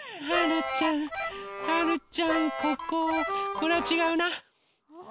これはちがうな。